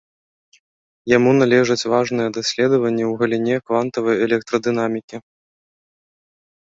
Яму належаць важныя даследаванні ў галіне квантавай электрадынамікі.